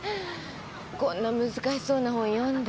こんな難しそうな本読んで。